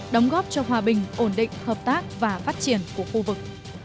đóng góp cho hòa bình ổn định hợp tác và phát triển của khu vực